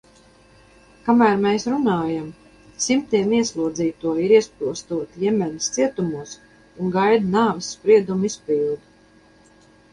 Kamēr mēs runājam, simtiem ieslodzīto ir iesprostoti Jemenas cietumos un gaida nāves sprieduma izpildi.